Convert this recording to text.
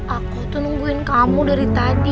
aku tuh nungguin kamu dari tadi